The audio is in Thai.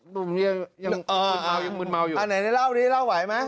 ดื่มเบียร์ยังมืนเมายังมืนเมาอยู่อ่าไหนได้เล่าดิเล่าไหวมั้ย